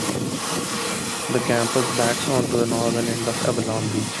The campus backs onto the Northern end of Avalon Beach.